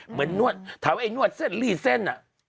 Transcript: เหมือนนวดเดี๋ยวไอ้นวดรี้เซ็น